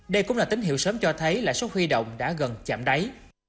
đây cũng là tín hiệu sớm cho thấy lãi suất huy động đã gần chạm đáy